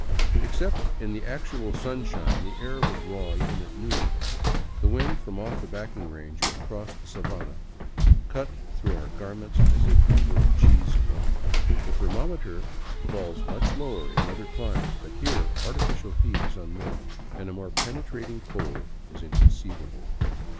Except in the actual sunshine, the air was raw even at noon. The wind from off the backing range or across the sabana cut through our garments as if they were of cheesecloth. The thermometer falls much lower in other climes, but here artificial heat is unknown, and a more penetrating cold is inconceivable.